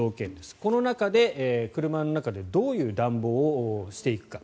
この中で車の中でどういう暖房をしていくか。